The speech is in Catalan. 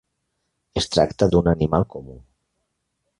Es tracta d'un animal comú.